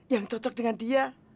yang cocok dengan dia